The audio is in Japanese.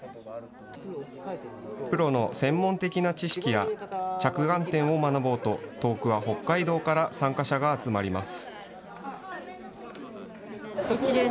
プロの専門的な知識や着眼点を学ぼうと、遠くは北海道から参加者が集まります。